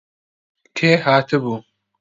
کێ هاتبوو؟